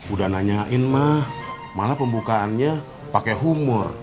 udah nanyain mah malah pembukaannya pakai humor